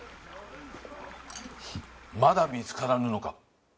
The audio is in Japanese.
まだ見つからぬのか？